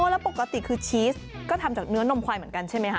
แล้วปกติคือชีสก็ทำจากเนื้อนมควายเหมือนกันใช่ไหมคะ